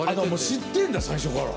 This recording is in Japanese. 知ってんだ最初から。